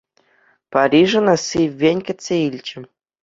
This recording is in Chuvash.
Париж ӑна сиввӗн кӗтсе илчӗ.